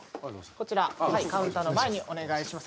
こちらカウンターの前にお願いします